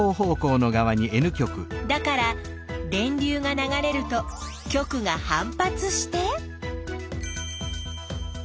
だから電流が流れると極が反発して。